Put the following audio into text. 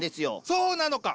そなのか。